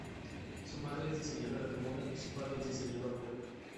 Su madre es diseñadora de moda y su padre es diseñador web.